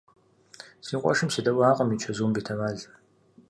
Си къуэшым седэӀуакъым и чэзум, бетэмал.